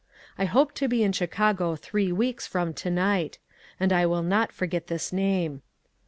I hope to be in Chicago three weeks from to night, and I will not forget this name.